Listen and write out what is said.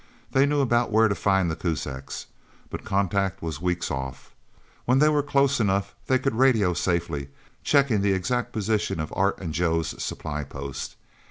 They knew about where to find the Kuzaks. But contact was weeks off. When they were close enough, they could radio safely, checking the exact position of Art's and Joe's supply post.